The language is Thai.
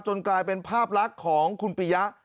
กลายเป็นภาพลักษณ์ของคุณปียะ